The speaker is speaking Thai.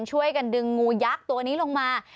ช่วยกันดึงงูยักษ์ตัวนี้ลงมา